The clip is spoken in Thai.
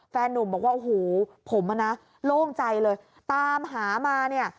นุ่มบอกว่าโอ้โหผมอ่ะนะโล่งใจเลยตามหามาเนี่ย